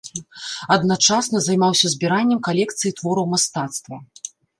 Адначасна займаўся збіраннем калекцыі твораў мастацтва.